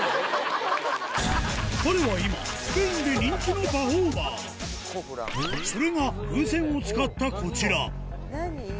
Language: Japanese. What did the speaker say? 彼は今スペインで人気のそれが風船を使ったこちら何？